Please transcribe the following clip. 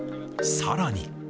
さらに。